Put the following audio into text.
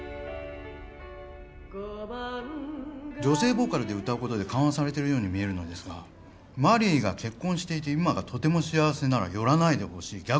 女性ボーカルで歌うことで緩和されてるように見えるのですがマリーが結婚していて今がとても幸せなら寄らないでほしい。